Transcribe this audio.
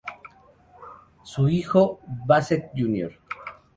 Su hijo Bassett Jr.